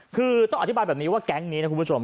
คือต้องอธิบายแบบนี้ว่าแก๊งนี้นะคุณผู้ชม